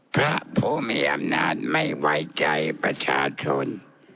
พระผู้มีอำนาจไม่ไว้ใจประชาชน